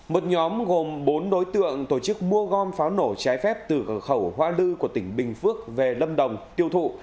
một nhóm gồm bốn đối tượng tổ chức mua gom pháo nổ trái phép từ cửa khẩu hoa lư của tỉnh bình phước về lâm đồng tiêu thụ